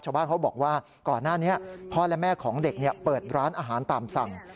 ชาวบ้านเขาบอกว่าก่อนหน้านี้พ่อและแม่ของเด็กเปิดร้านอาหารตามสั่ง